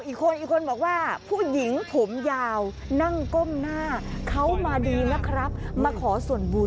อีกคนอีกคนบอกว่าผู้หญิงผมยาวนั่งก้มหน้าเขามาดีนะครับมาขอส่วนบุญ